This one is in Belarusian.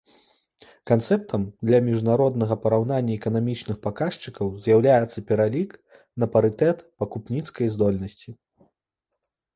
Канцэптам для міжнароднага параўнання эканамічных паказчыкаў з'яўляецца пералік на парытэт пакупніцкай здольнасці.